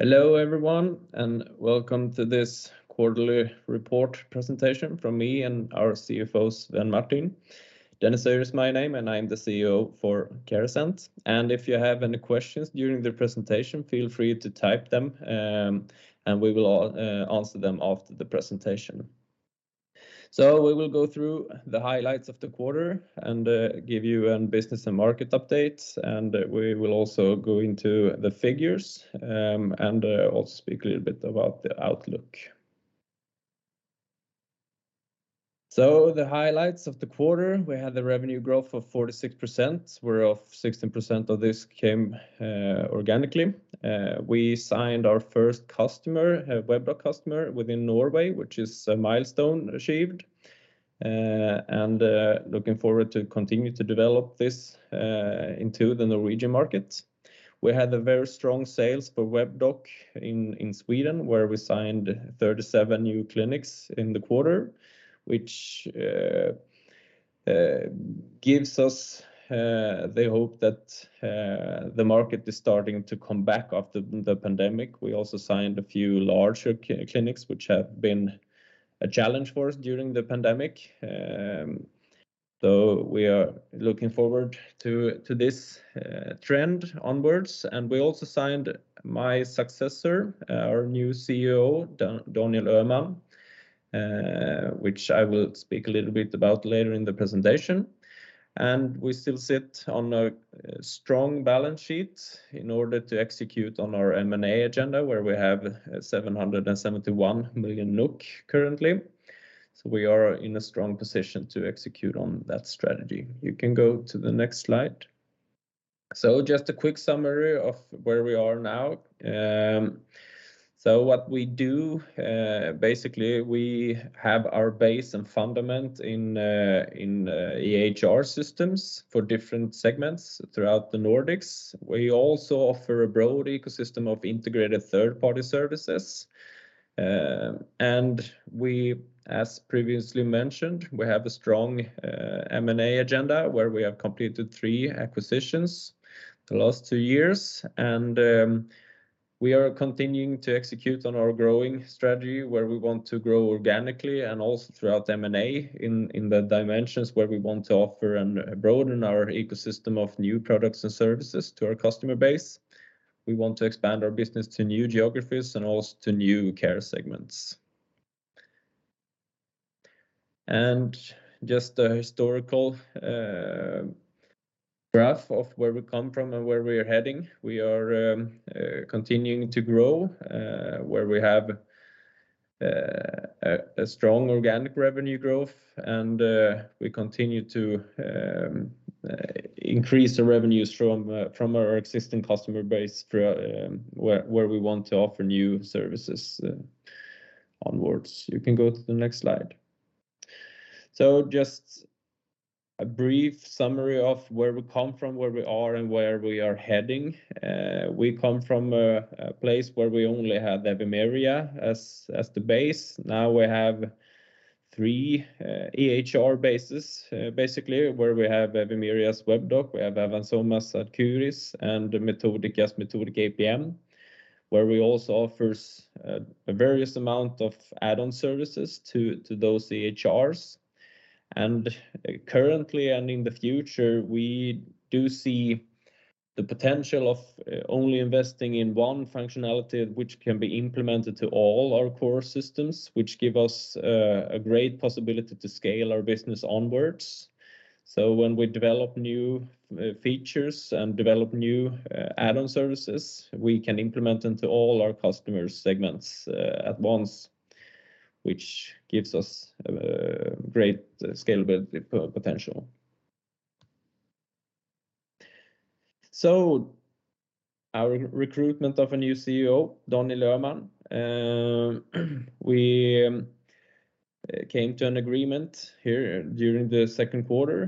Hello everyone, and welcome to this quarterly report presentation from me and our CFO, Svein Martin. Dennis Höjer is my name, and I'm the CEO for Carasent. If you have any questions during the presentation, feel free to type them, and we will all answer them after the presentation. We will go through the highlights of the quarter and give you a business and market update, and we will also go into the figures and also speak a little bit about the outlook. The highlights of the quarter, we had the revenue growth of 46%, whereof 16% of this came organically. We signed our first customer, Webdoc customer within Norway, which is a milestone achieved, and looking forward to continue to develop this into the Norwegian market. We had a very strong sales for Webdoc in Sweden, where we signed 37 new clinics in the quarter, which gives us the hope that the market is starting to come back after the pandemic. We also signed a few larger clinics, which have been a challenge for us during the pandemic. We are looking forward to this trend onwards, and we also signed my successor, our new CEO, Daniel Öhman, which I will speak a little bit about later in the presentation. We still sit on a strong balance sheet in order to execute on our M&A agenda, where we have 771 million NOK currently. We are in a strong position to execute on that strategy. You can go to the next slide. Just a quick summary of where we are now. What we do, basically, we have our base and fundament in EHR systems for different segments throughout the Nordics. We also offer a broad ecosystem of integrated third-party services. We, as previously mentioned, we have a strong M&A agenda, where we have completed three acquisitions the last two years. We are continuing to execute on our growing strategy, where we want to grow organically and also through M&A in the dimensions where we want to offer and broaden our ecosystem of new products and services to our customer base. We want to expand our business to new geographies and also to new care segments. Just a historical graph of where we come from and where we are heading. We are continuing to grow, where we have a strong organic revenue growth, and we continue to increase the revenues from our existing customer base for where we want to offer new services onwards. You can go to the next slide. Just a brief summary of where we come from, where we are, and where we are heading. We come from a place where we only had Evimeria as the base. Now we have three EHR bases basically, where we have Evimeria's Webdoc, we have Avans Soma's Ad Curis, and Metodika's Metodika EPM, where we also offer a various amount of add-on services to those EHRs. Currently and in the future, we do see the potential of only investing in one functionality which can be implemented to all our core systems, which give us a great possibility to scale our business onwards. When we develop new features and develop new add-on services, we can implement into all our customer segments at once, which gives us a great scalability potential. Our recruitment of a new CEO, Daniel Öhman. We came to an agreement here during the second quarter.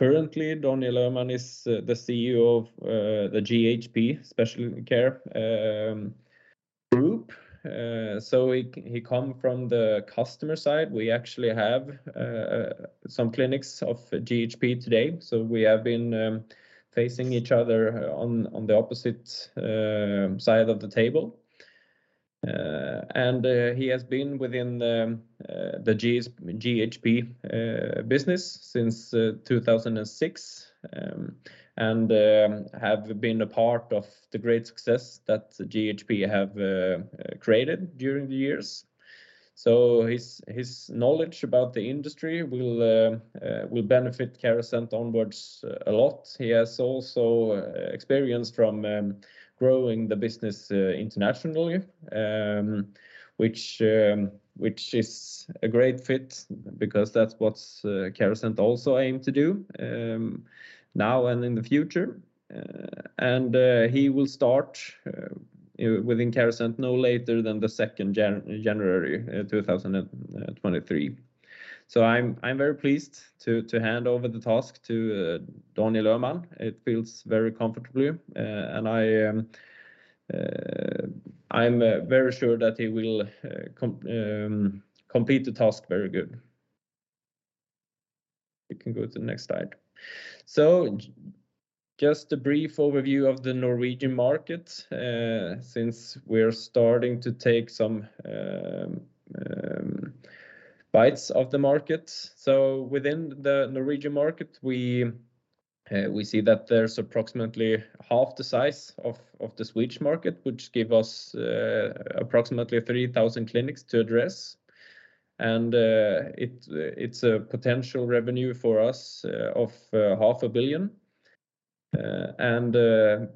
Currently, Daniel Öhman is the CEO of the GHP Specialty Care group. So he comes from the customer side. We actually have some clinics of GHP today, so we have been facing each other on the opposite side of the table. He has been within the GHP business since 2006 and have been a part of the great success that GHP have created during the years. His knowledge about the industry will benefit Carasent onwards a lot. He has also experience from growing the business internationally, which is a great fit because that's what Carasent also aim to do now and in the future. He will start within Carasent no later than the 2nd January 2023. I'm very pleased to hand over the task to Daniel Öhman. It feels very comfortable, and I'm very sure that he will complete the task very good. You can go to the next slide. Just a brief overview of the Norwegian market, since we're starting to take some bites of the market. Within the Norwegian market, we see that there's approximately half the size of the Swedish market, which give us approximately 3,000 clinics to address. It's a potential revenue fo+r us of 500 million. The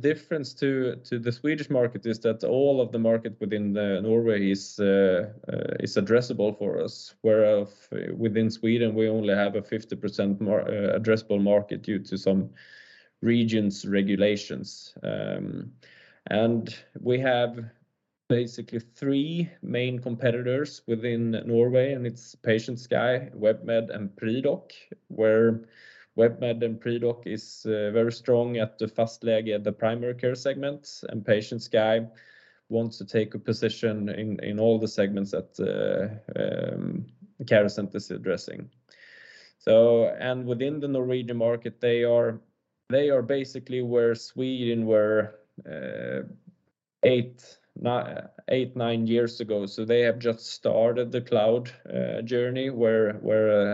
difference to the Swedish market is that all of the market within Norway is addressable for us, whereas within Sweden, we only have a 50% addressable market due to some regional regulations. We have basically three main competitors within Norway, and it's PatientSky, WebMed, and Pridok, where WebMed and Pridok is very strong at the fast layer, the primary care segments, and PatientSky wants to take a position in all the segments that Carasent is addressing. Within the Norwegian market, they are basically where Sweden were eight, nine years ago. They have just started the cloud journey where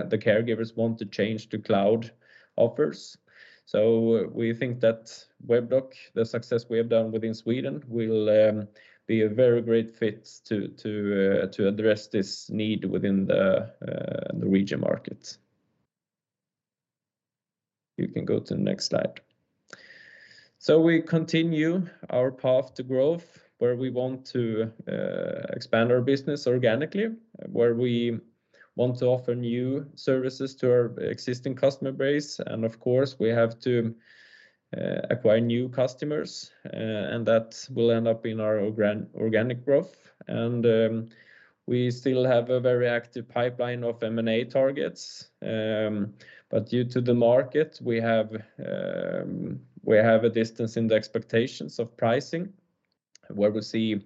the caregivers want to change to cloud offers. We think that Webdoc, the success we have done within Sweden, will be a very great fit to address this need within the region market. You can go to the next slide. We continue our path to growth, where we want to expand our business organically, where we want to offer new services to our existing customer base. Of course, we have to acquire new customers, and that will end up in our organic growth. We still have a very active pipeline of M&A targets. But due to the market, we have a distance in the expectations of pricing, where we see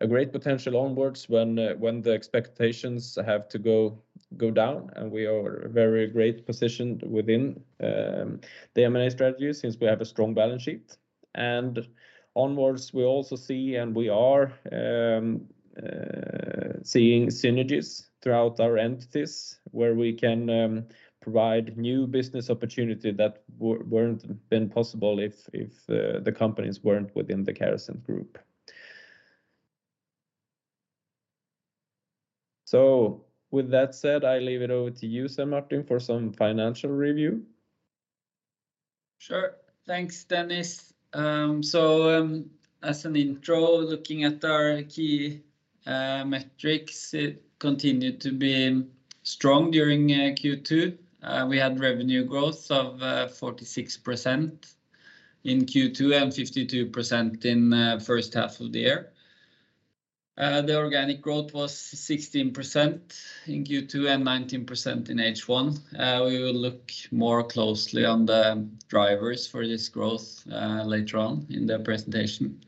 a great potential onwards when the expectations have to go down, and we are very well positioned within the M&A strategy since we have a strong balance sheet. Onwards, we also see and we are seeing synergies throughout our entities, where we can provide new business opportunity that wouldn't have been possible if the companies weren't within the Carasent group. With that said, I leave it over to you, Svein Martin, for some financial review. Sure. Thanks, Dennis. As an intro, looking at our key metrics, it continued to be strong during Q2. We had revenue growth of 46% in Q2 and 52% in first half of the year. The organic growth was 16% in Q2 and 19% in H1. We will look more closely at the drivers for this growth later on in the presentation.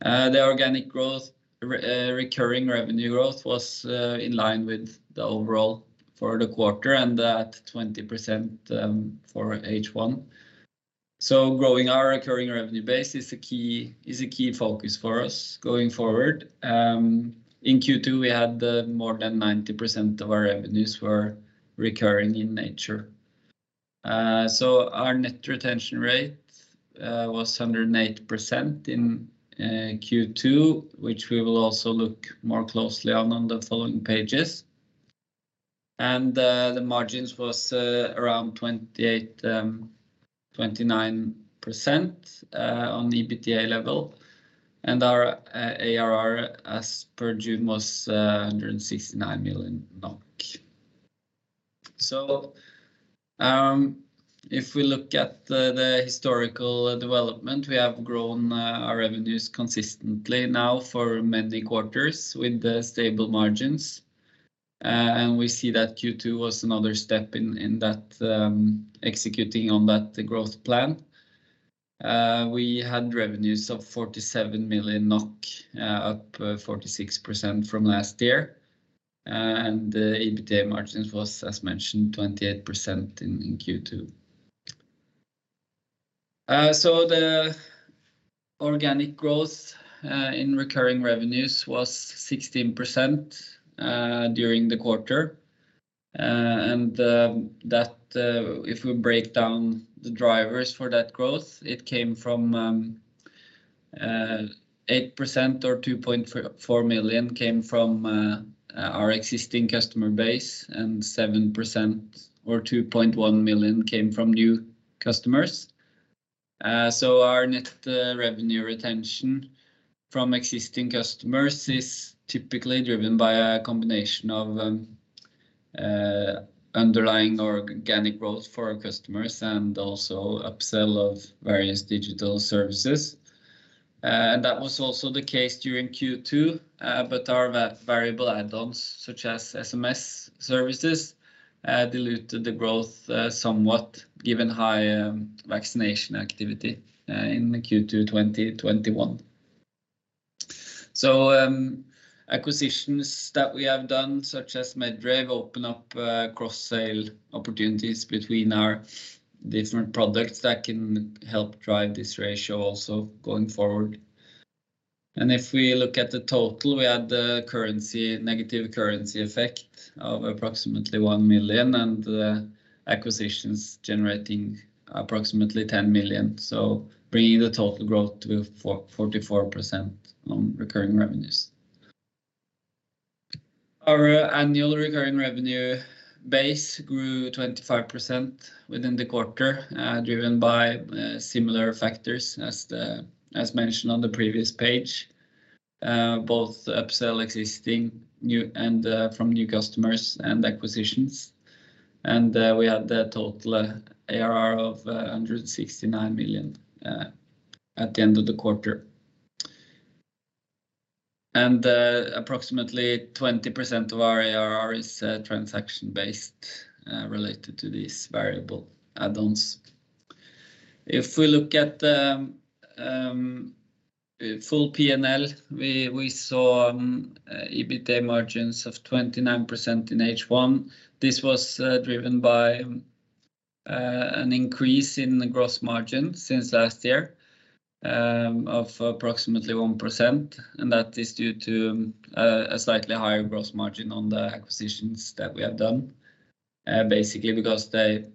The organic growth, recurring revenue growth was in line with the overall for the quarter and at 20% for H1. Growing our recurring revenue base is a key focus for us going forward. In Q2, we had more than 90% of our revenues were recurring in nature. Our net retention rate was 108% in Q2, which we will also look more closely on the following pages. The margins was around 28%, 29% on the EBITDA level. Our ARR as per June was 169 million NOK. If we look at the historical development, we have grown our revenues consistently now for many quarters with the stable margins. We see that Q2 was another step in that executing on that growth plan. We had revenues of 47 million NOK, up 46% from last year. The EBITDA margins was, as mentioned, 28% in Q2. The organic growth in recurring revenues was 16% during the quarter. If we break down the drivers for that growth, it came from 8% or 2.44 million came from our existing customer base, and 7% or 2.1 million came from new customers. Our net revenue retention from existing customers is typically driven by a combination of underlying organic growth for our customers and also upsell of various digital services. That was also the case during Q2, but our variable add-ons, such as SMS services, diluted the growth somewhat given high vaccination activity in Q2 2021. Acquisitions that we have done such as Medrave open up cross-sale opportunities between our different products that can help drive this ratio also going forward. If we look at the total, we had a negative currency effect of approximately 1 million, and acquisitions generating approximately 10 million, so bringing the total growth to 44% on recurring revenues. Our annual recurring revenue base grew 25% within the quarter, driven by similar factors as mentioned on the previous page. Both upsell existing, new, and from new customers and acquisitions. We had the total ARR of 169 million at the end of the quarter. Approximately 20% of our ARR is transaction-based, related to these variable add-ons. If we look at the full P&L, we saw EBITDA margins of 29% in H1. This was driven by an increase in the gross margin since last year of approximately 1%, and that is due to a slightly higher gross margin on the acquisitions that we have done. Basically because the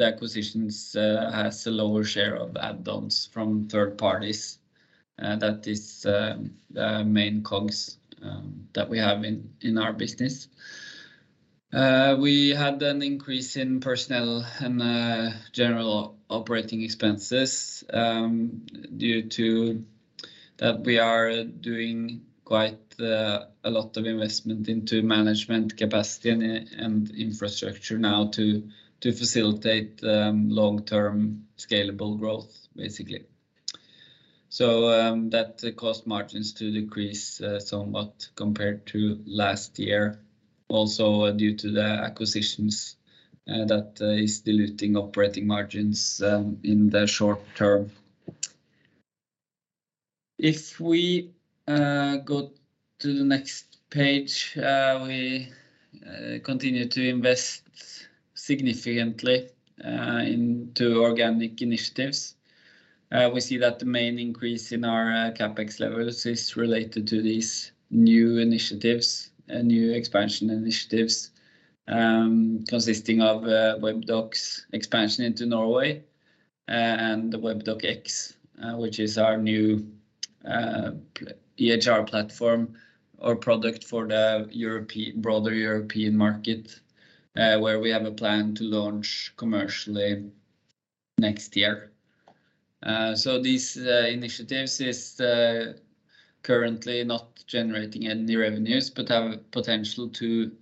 acquisitions has a lower share of add-ons from third parties. That is the main COGS that we have in our business. We had an increase in personnel and general operating expenses due to that we are doing quite a lot of investment into management capacity and infrastructure now to facilitate long-term scalable growth, basically. That caused margins to decrease somewhat compared to last year, also due to the acquisitions that is diluting operating margins in the short term. If we go to the next page, we continue to invest significantly into organic initiatives. We see that the main increase in our CapEx levels is related to these new initiatives and new expansion initiatives, consisting of Webdoc expansion into Norway and Webdoc X, which is our new EHR platform or product for the broader European market, where we have a plan to launch commercially next year. These initiatives is currently not generating any revenues, but have potential to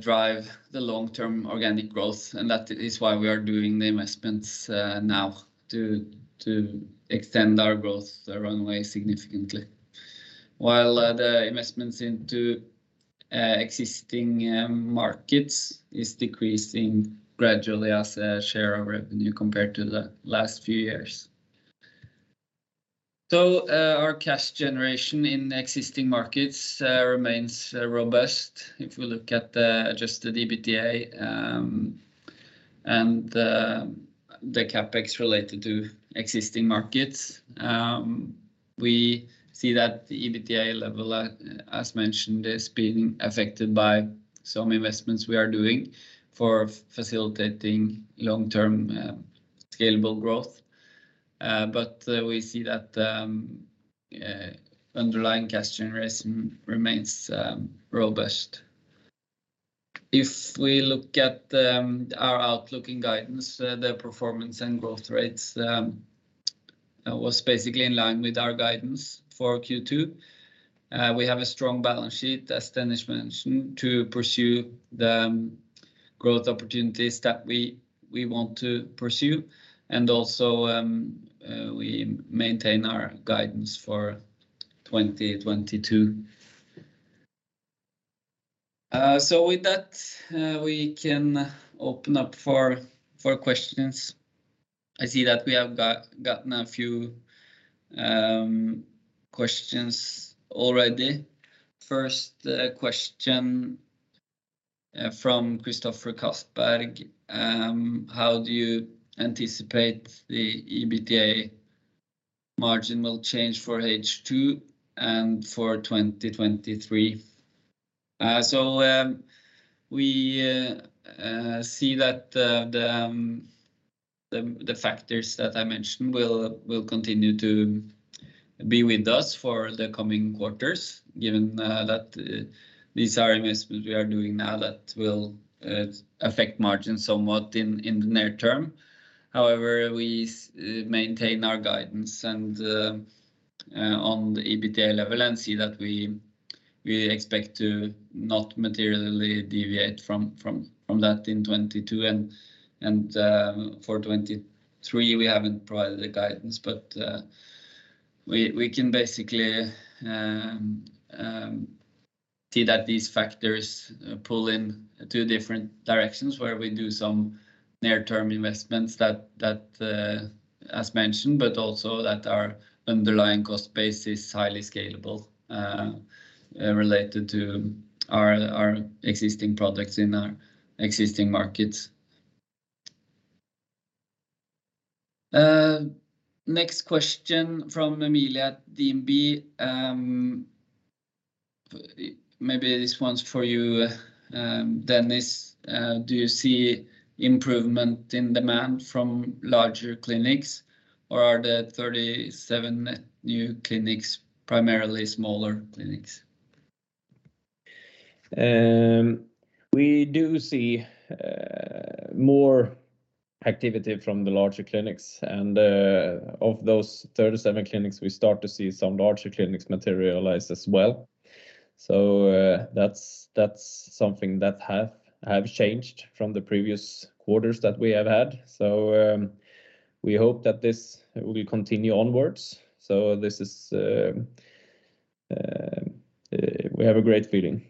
drive the long-term organic growth, and that is why we are doing the investments now to extend our growth runway significantly. While the investments into existing markets is decreasing gradually as a share of revenue compared to the last few years. Our cash generation in existing markets remains robust. If we look at the adjusted EBITDA and the CapEx related to existing markets, we see that the EBITDA level, as mentioned, is being affected by some investments we are doing for facilitating long-term scalable growth. We see that underlying cash generation remains robust. If we look at our outlook and guidance, the performance and growth rates was basically in line with our guidance for Q2. We have a strong balance sheet, as Dennis mentioned, to pursue the growth opportunities that we want to pursue. We maintain our guidance for 2022. With that, we can open up for questions. I see that we have gotten a few questions already. First question from [Christopher Castberg]. How do you anticipate the EBITDA margin will change for H2 and for 2023? We see that the factors that I mentioned will continue to be with us for the coming quarters, given that these are investments we are doing now that will affect margins somewhat in the near term. However, we maintain our guidance and on the EBITDA level and see that we expect to not materially deviate from that in 2022 and for 2023, we haven't provided the guidance. We can basically see that these factors pull in two different directions where we do some near-term investments that, as mentioned, but also that our underlying cost base is highly scalable, related to our existing products in our existing markets. Next question from Emilia at DNB. Maybe this one's for you, Dennis. Do you see improvement in demand from larger clinics, or are the 37 new clinics primarily smaller clinics? We do see more activity from the larger clinics. Of those 37 clinics, we start to see some larger clinics materialize as well. That's something that have changed from the previous quarters that we have had. We hope that this will continue onwards. We have a great feeling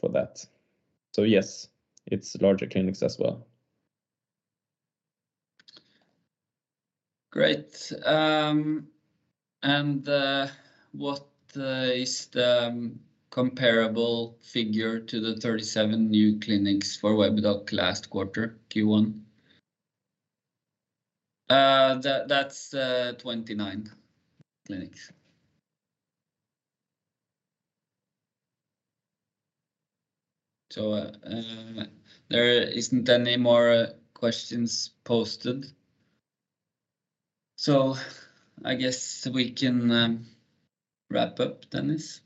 for that. Yes, it's larger clinics as well. Great. What is the comparable figure to the 37 new clinics for Webdoc last quarter, Q1? That's 29 clinics. There isn't any more questions posted, so I guess we can wrap up, Dennis.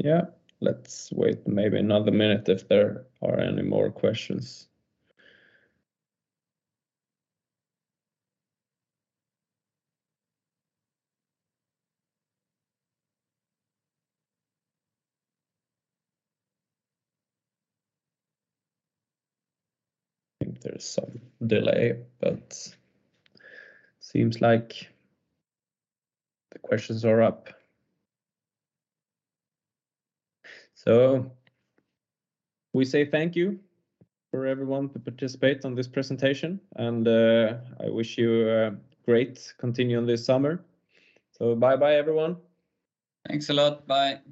Yeah, let's wait maybe another minute if there are any more questions. I think there's some delay, but seems like the questions are up. We say thank you for everyone to participate on this presentation, and I wish you a great continuing summer. Bye-bye everyone. Thanks a lot. Bye.